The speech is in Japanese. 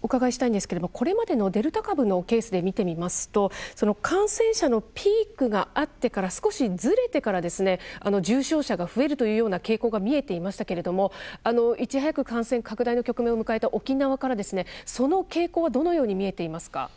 これまでのデルタ株のケースで見てみますと感染者のピークがあってから少しずれてから重症者が増えるというような傾向が見えていましたけれどもいち早く感染拡大の局面を迎えた沖縄からその傾向はどのように見えていますか？